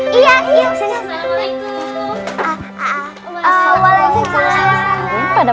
prinses ini ya